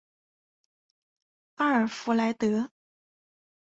阿尔弗莱德？